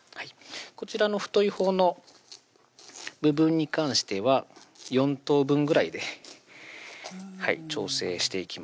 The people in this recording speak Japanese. こちらの太いほうの部分に関しては４等分ぐらいで調整していきます